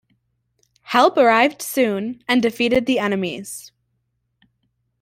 Help arrived soon and defeated the enemies.